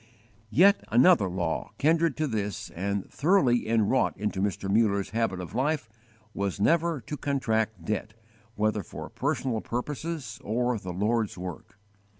Yet another law, kindred to this and thoroughly inwrought into Mr. Muller's habit of life, was never to contract debt, whether for personal purposes or the Lord's work.